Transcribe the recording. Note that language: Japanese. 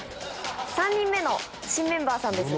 ３人目の新メンバーさんですが。